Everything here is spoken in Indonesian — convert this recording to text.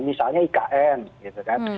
misalnya ikn gitu kan